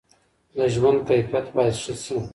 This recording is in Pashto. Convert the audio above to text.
د ژوند کیفیت باید ښه سي.